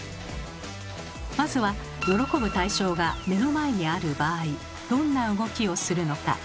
まずは喜ぶ対象が目の前にある場合どんな動きをするのか。